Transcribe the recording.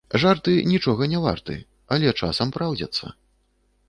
Жарты нічога не варты, але часам праўдзяцца